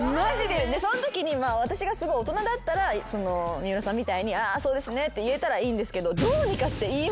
そのときに私がすごい大人だったら三浦さんみたいに「そうですね」って言えたらいいんですけど。